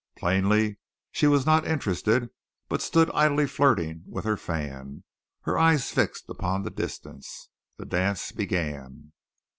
Plainly, she was not interested, but stood idly flirting with her fan, her eyes fixed upon the distance. The dance began.